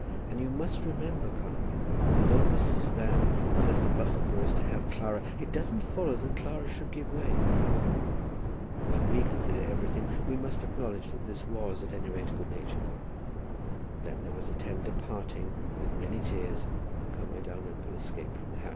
And you must remember, Conway, that though Mrs. Van says that Musselboro is to have Clara, it doesn't follow that Clara should give way." When we consider everything, we must acknowledge that this was, at any rate, good natured. Then there was a tender parting, with many tears, and Conway Dalrymple escaped from the house.